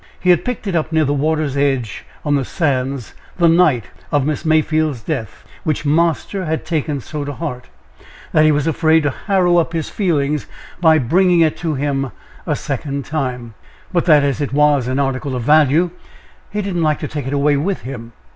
He had picked it up near the water's edge on the sands the night of Miss Mayfield's death, which "Marster" had taken so to heart, that he was afraid to harrow up his feelings by bringing it to him a second time but that as it was an article of value, he did not like to take it away with him.